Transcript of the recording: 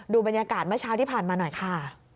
บรรยากาศเมื่อเช้าที่ผ่านมาหน่อยค่ะ